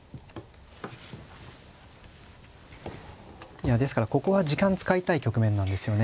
いやですからここは時間使いたい局面なんですよね。